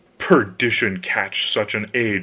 "Perdition catch such an age!"